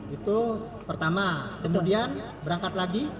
itu pertama kemudian berangkat lagi